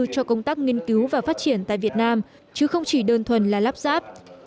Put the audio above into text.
cho công tác nghiên cứu và phát triển tại việt nam chứ không chỉ đơn thuần là lắp ráp